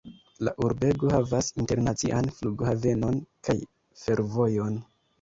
La urbego havas internacian flughavenon kaj fervojon.